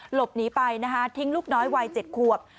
หลบหนีไปนะคะทิ้งลูกน้อยวัย๗ขวบ